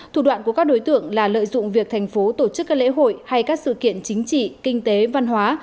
thủ đoạn của các đối tượng là lợi dụng việc thành phố tổ chức các lễ hội hay các sự kiện chính trị kinh tế văn hóa